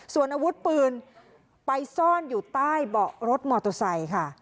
ส่วนอาวุธปืนไปซ่อนอยู่ใต้เบาะรถมอเตอร์ไซค์ค่ะ